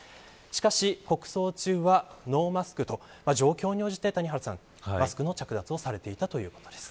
しかし、国葬中はノーマスクと状況に応じてマスクの着脱をされていたということです。